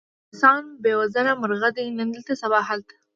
انسان بې وزرو مرغه دی، نن دلته سبا هلته وي.